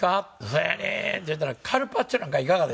「そうやね」って言うたら「カルパッチョなんかいかがですか？」。